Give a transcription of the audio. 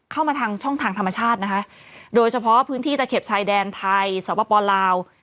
เข้ามาทางช่องทางธรรมชาตินะคะโดยเฉพาะพื้นที่ตะเข็บชายแดนไทยสปลาว